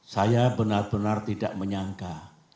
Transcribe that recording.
saya benar benar tidak menyangka